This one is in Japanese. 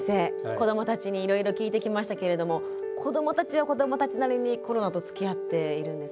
子どもたちにいろいろ聞いてきましたけれども子どもたちは子どもたちなりにコロナとつきあっているんですね。